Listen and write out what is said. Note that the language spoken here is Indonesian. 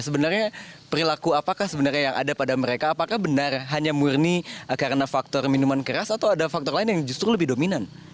sebenarnya perilaku apakah sebenarnya yang ada pada mereka apakah benar hanya murni karena faktor minuman keras atau ada faktor lain yang justru lebih dominan